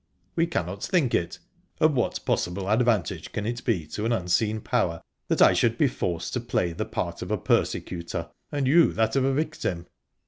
"We cannot think it of what possible advantage can it be to an unseen Power that I should be forced to play the part of a persecutor, and you that of a victim?"